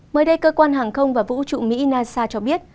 mới đây cơ quan hàng không và vũ trụ mỹ nasa cho biết